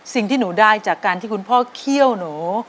สิ่งที่หนูได้จากการที่คุณพ่อเคี่ยวหนู